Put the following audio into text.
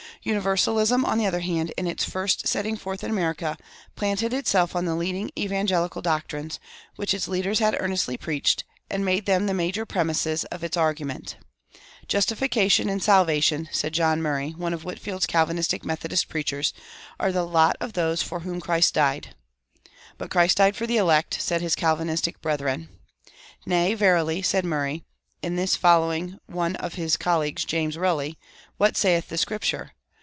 Universalism, on the other hand, in its first setting forth in America, planted itself on the leading "evangelical" doctrines, which its leaders had earnestly preached, and made them the major premisses of its argument. Justification and salvation, said John Murray, one of Whitefield's Calvinistic Methodist preachers, are the lot of those for whom Christ died. But Christ died for the elect, said his Calvinistic brethren. Nay, verily, said Murray (in this following one of his colleagues, James Relly); what saith the Scripture?